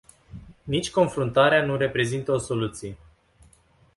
Nici confruntarea nu reprezintă o soluție.